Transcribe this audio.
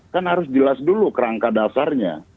kan harus jelas dulu kerangka dasarnya